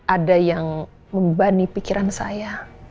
ada yang membani pikiran saya